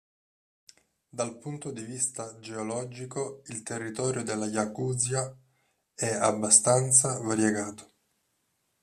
Dal punto di vista geologico, il territorio della Jacuzia è abbastanza variegato.